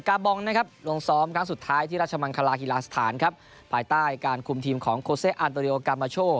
บองนะครับลงซ้อมครั้งสุดท้ายที่ราชมังคลาฮิลาสถานครับภายใต้การคุมทีมของโคเซ่อันโตเรียโอกามาโช